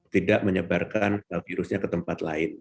tidak menyebarkan virusnya ke tempat lain